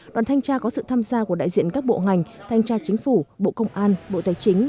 đoàn thanh tra có sự tham gia của đại diện các bộ ngành thanh tra chính phủ bộ công an bộ tài chính